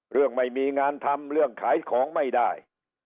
ไม่มีงานทำเรื่องขายของไม่ได้